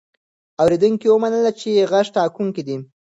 اورېدونکي ومنله چې غږ ټاکونکی دی.